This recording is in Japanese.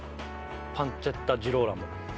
パンツェッタ・ジローラモ。